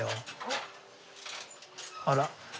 あら。